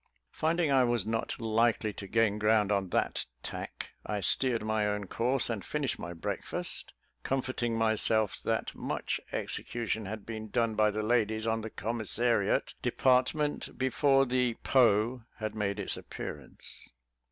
Finding I was not likely to gain ground on that tack, I steered my own course, and finished my breakfast, comforting myself that much execution had been done by the ladies on the commissariat department, before the "Po" had made its appearance.